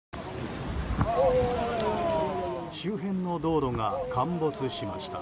周辺の道路が陥没しました。